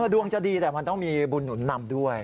ดวงจะดีแต่มันต้องมีบุญหนุนนำด้วย